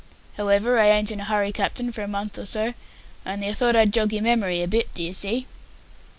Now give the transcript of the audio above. However, I ain't in a hurry, Captain, for a month or so; only I thought I'd jog your memory a bit, d ye see."